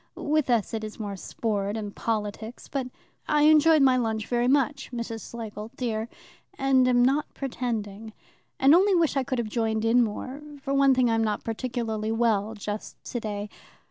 With us it is more sport and politics, but I enjoyed my lunch very much, Miss Schlegel, dear, and am not pretending, and only wish I could have joined in more. For one thing, I'm not particularly well just today.